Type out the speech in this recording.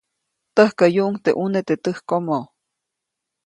Täjkäyuʼuŋ teʼ ʼuneʼ teʼ täjkomo.